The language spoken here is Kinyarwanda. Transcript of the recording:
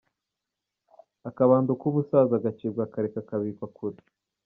Akabando k’ubusaza gacibwa kare kakabikwa kure.